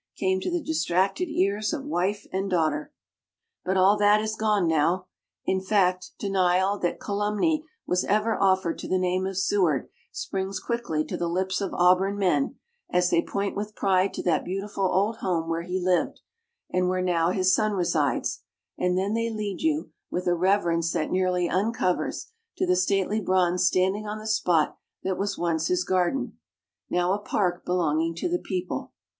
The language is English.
came to the distracted ears of wife and daughter. But all that has gone now. In fact, denial that calumny was ever offered to the name of Seward springs quickly to the lips of Auburn men, as they point with pride to that beautiful old home where he lived, and where now his son resides; and then they lead you, with a reverence that nearly uncovers, to the stately bronze standing on the spot that was once his garden now a park belonging to the people.